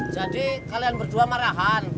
jadi kalian berdua marahan